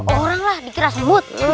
orang lah dikira sebut